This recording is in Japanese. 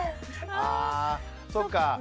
あそっか。